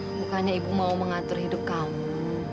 bukannya ibu mau mengatur hidup kamu